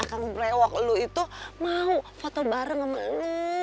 aku berewak lu itu mau foto bareng sama lu